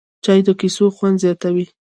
چای د کیسو خوند زیاتوي